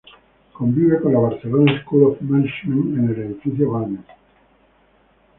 Convive con la Barcelona School of Management en el Edificio Balmes.